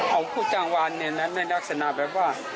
เอาผู้จ้างวานในลักษณะแบบว่า